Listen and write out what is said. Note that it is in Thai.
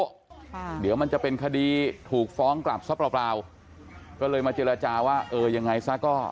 ค่ะเดี๋ยวมันจะเป็นคดีถูกฟ้องกลับซะเปล่าเปล่าก็เลยมาเจรจาว่าเออยังไงซะก็